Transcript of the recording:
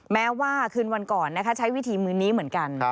แม้ว่าคืนวันก่อนใช้วิธีมือนี้เหมือนกัน